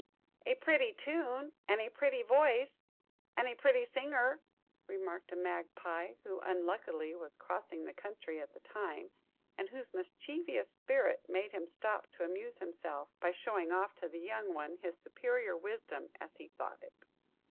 "A pretty tune, and a pretty voice, and a pretty singer!" remarked a Magpie, who unluckily was crossing the country at the time, and whose mischievous spirit made him stop to amuse himself, by showing off to the young one his superior wisdom, as he thought it.